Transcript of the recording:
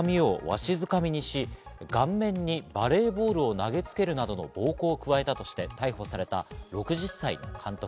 部員の髪をわしづかみにし、顔面にバレーボールを投げつけるなどの暴行を加えたとして逮捕された、６０歳の監督。